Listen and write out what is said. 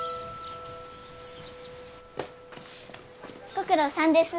ご苦労さんです。